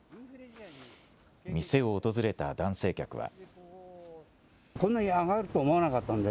店を訪れた男性客は。